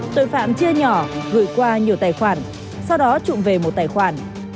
tội phạm chia nhỏ gửi qua nhiều tài khoản sau đó trộm về một tài khoản